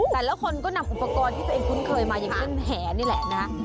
หลายละคนก็นำอุปกรณ์ที่เป็นคุณเคยมาอย่างขึ้นแหนี่แหละนะ